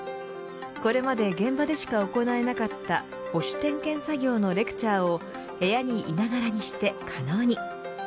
これまで現場でしか行えなかった保守点検作業のレクチャーを部屋にいながらにして可能に。